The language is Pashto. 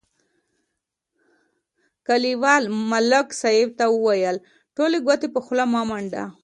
کلیوال ملک صاحب ته ویل: ټولې ګوتې په خوله مه منډه.